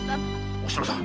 お篠さん